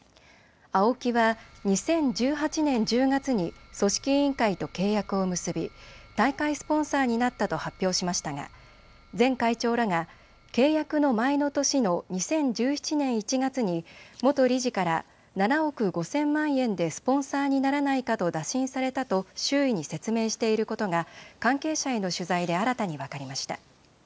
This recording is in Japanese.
ＡＯＫＩは２０１８年１０月に組織委員会と契約を結び大会スポンサーになったと発表しましたが前会長らが契約の前の年の２０１７年１月に元理事から７億５０００万円でスポンサーにならないかと打診されたと周囲に説明していることが関係者への取材で新たに分かりました。